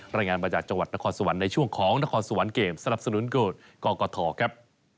รายงานมาจากจังหวัดนครสวรรค์ในช่วงของนครสวรรค์เกมสนับสนุนเกิดกกทครับ